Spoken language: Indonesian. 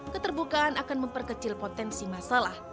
keterbukaan akan memperkecil potensi masalah